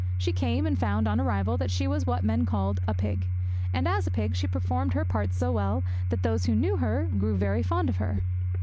She came; and found, on arrival, that she was what men called a pig; and as a pig she performed her part so well that those who knew her grew very fond of her.